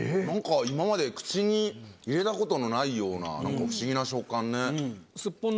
なんか今まで口に入れたことのないようななんか不思議な食感ね。